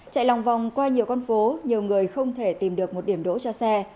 chạy lòng vòng qua nhiều con phố nhiều người không thể tìm được một điểm đỗ cho xe